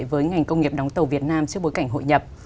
với ngành công nghiệp đóng tàu việt nam trước bối cảnh hội nhập